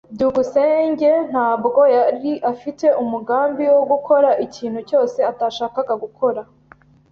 byukusenge ntabwo yari afite umugambi wo gukora ikintu cyose atashakaga gukora.